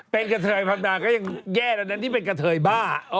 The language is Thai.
เป็นกระเทยพันดาก็ยังแย่แล้วนะนี่เป็นกะเทยบ้า